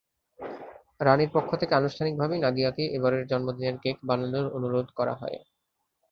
রানির পক্ষ থেকে আনুষ্ঠানিকভাবেই নাদিয়াকে এবারের জন্মদিনের কেক বানানোর অনুরোধ করা হয়।